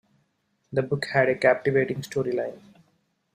The book had a captivating storyline.